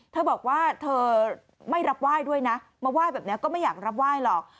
เธอบอกว่าเธอไม่รับไหว้ด้วยนะมาไหว้แบบนี้ก็ไม่อยากรับไหว้หรอก